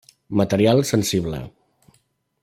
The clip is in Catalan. Material Sensible.